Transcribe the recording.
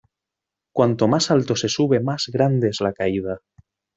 Cuanto más alto se sube más grande es la caída.